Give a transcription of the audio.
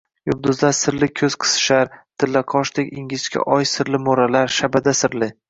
Yulduzlar sirli ko'z qisishar, tillaqoshdek ingichka oy sirli mo'ralar, shabada sirli